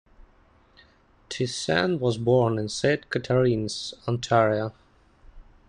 Thiessen was born in Saint Catharines, Ontario.